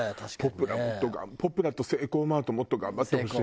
ポプラもっとポプラとセイコーマートもっと頑張ってほしい。